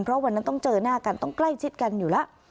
เพราะวันนั้นต้องเจอหน้ากันต้องใกล้ชิดกันอยู่แล้ว